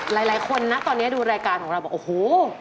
หลายคนนะตอนนี้ดูรายการของเราบอกโอ้โห